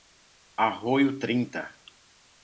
Arroio Trinta